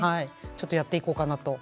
ちょっとやっていこうかなと。